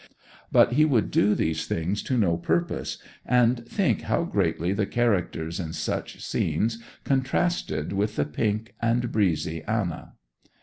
But he would do these things to no purpose, and think how greatly the characters in such scenes contrasted with the pink and breezy Anna.